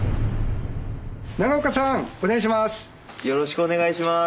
長岡さん！お願いします。